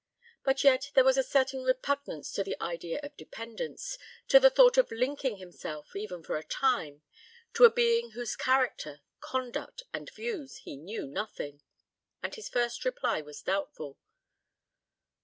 But yet there was a certain repugnance to the idea of dependence, to the thought of linking himself, even for a time, to a being of whose character, conduct, and views, he knew nothing, and his first reply was doubtful.